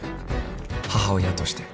母親として。